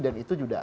dan itu juga